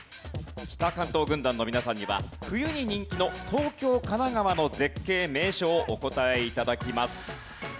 北関東軍団の皆さんには冬に人気の東京・神奈川の絶景・名所をお答え頂きます。